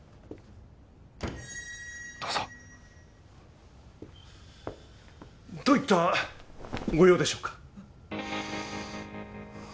どうぞどういったご用でしょうか？